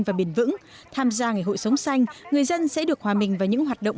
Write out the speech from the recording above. và bền vững tham gia ngày hội sống xanh người dân sẽ được hòa mình vào những hoạt động